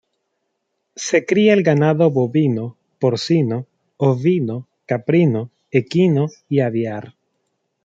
Se cría el ganado bovino, porcino, ovino, caprino, equino y aviar.